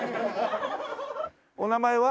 お名前は？